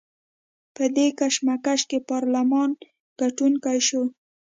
په دې کشمکش کې پارلمان ګټونکی شو.